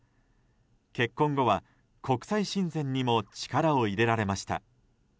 結婚後は国際親善にも力を入れられました。